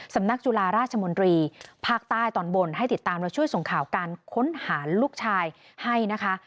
สำนักจุฬาราชมนตรีภาคใต้ตอนบนให้ติดตามและช่วยส่งข่าวการค้นหาลูกชายให้นะคะ